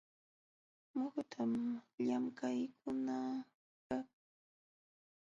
Muhutam llamkaqkunakaq paćhiykalka.